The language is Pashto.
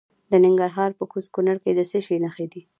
د ننګرهار په کوز کونړ کې د څه شي نښې دي؟